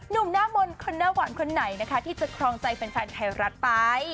หนุ่มหน้ามนต์คนหน้าหวานคนไหนนะคะที่จะครองใจแฟนไทยรัฐไป